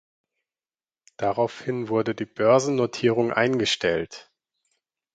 Daraufhin wurde die Börsennotierung eingestellt.